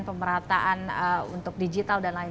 pemerataan untuk digital dan lain